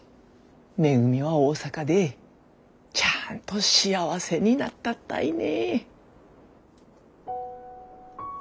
めぐみは大阪でちゃんと幸せになったったいね。